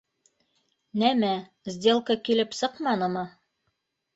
Нәмә, сделка килеп сыҡманымы?!